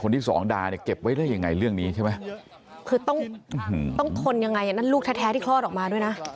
ที่สองดาเนี่ยเก็บไว้ได้ยังไงเรื่องนี้ใช่ไหมคือต้องต้องทนยังไงอ่ะนั่นลูกแท้ที่คลอดออกมาด้วยนะ